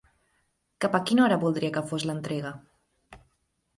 Cap a quina hora voldria que fos l'entrega?